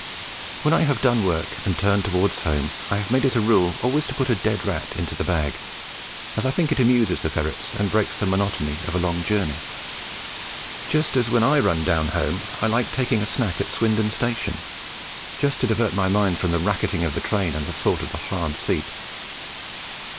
When I have done work and turned towards home, I have made it a rule always to put a dead rat into the bag, as I think it amuses the ferrets and breaks the monotony of a long journey; just as when I run down home I like taking a snack at Swindon Station, just to divert my mind from the racketing of the train and the thought of the hard seat.